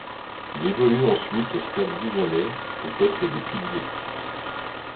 Il évolue ensuite au Stade dijonnais, au poste de pilier.